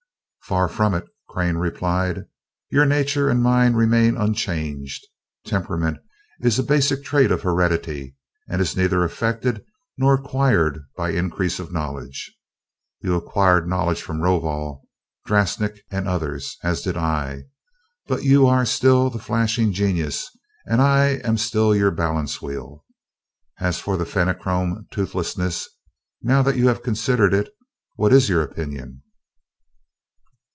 "Far from it," Crane replied. "Your nature and mine remain unchanged. Temperament is a basic trait of heredity, and is neither affected nor acquired by increase of knowledge. You acquired knowledge from Rovol, Drasnik, and others, as did I but you are still the flashing genius and I am still your balance wheel. As for Fenachrone toothlessness: now that you have considered it, what is your opinion?"